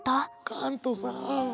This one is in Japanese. カントさん。